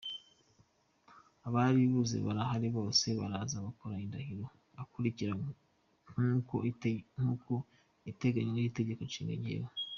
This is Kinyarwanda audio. Abari buze kurahira bose baraza gukora indahiro ikurikira nkuko iteganywa n’Itegeko Nshinga: “Jyewe ……….